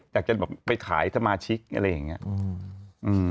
อยากจะแบบไปขายสมาชิกอะไรอย่างนี้